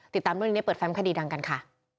ติดตามเรื่องนี้เปิดแฟมคดีดังกันค่ะ